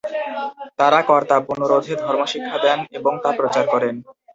তারা কর্তব্যানুরোধে ধর্ম শিক্ষা দেন এবং তা প্রচার করেন।